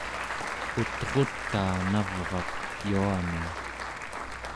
ut'rutaa navraq yuanun